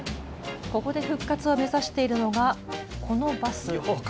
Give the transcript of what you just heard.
ここで復活を目指しているのがこのバス。